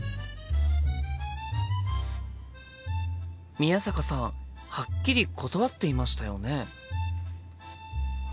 宮坂さんはっきり断っていましたよね？